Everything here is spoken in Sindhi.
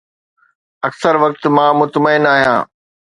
اڪثر وقت مان مطمئن آهيان